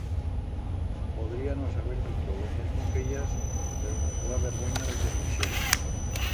Podríanos haber dito lo mesmo que ellas, pero nos feba vergüenya reconoixer-lo.